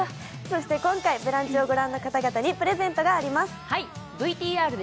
そして今回、「ブランチ」を御覧の方々にプレゼントがあります。